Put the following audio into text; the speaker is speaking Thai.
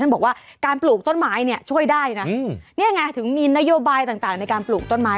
บอกว่าการปลูกต้นไม้เนี่ยช่วยได้นะนี่ไงถึงมีนโยบายต่างในการปลูกต้นไม้